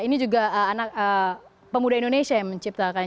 ini juga anak pemuda indonesia yang menciptakan